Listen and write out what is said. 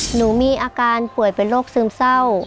หนูมีอาการป่วยเป็นโรคซึมเศร้า